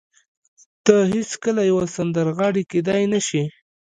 ته هېڅکله يوه سندرغاړې کېدای نه شې.